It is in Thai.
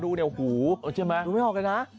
ดูเนี่ยหูดูไม่เหรอกันนะ